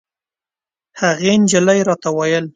هغې نجلۍ راته ویل.